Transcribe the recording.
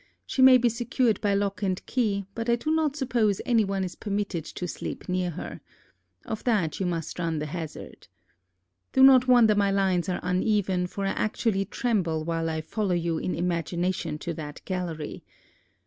She may be secured by lock and key, but I do not suppose any one is permitted to sleep near her. Of that you must run the hazard. Do not wonder my lines are uneven, for I actually tremble while I follow you in imagination to that gallery.